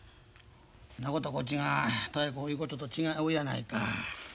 そんなことこっちがとやかく言うことと違うやないか。